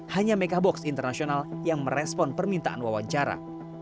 hanya mekabox internasional yang merespon permintaan wawancara